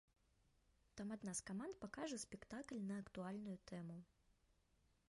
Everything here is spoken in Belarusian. Там адна з каманд пакажа спектакль на актуальную тэму.